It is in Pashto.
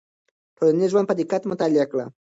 ټولنیز ژوند په دقت مطالعه کړئ.